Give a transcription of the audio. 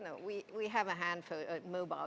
kita memiliki beberapa gadget mobil